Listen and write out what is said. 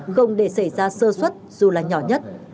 không để xảy ra sơ xuất dù là nhỏ nhất